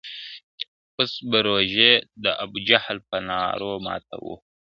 اوس به روژې د ابوجهل په نارو ماتوو ..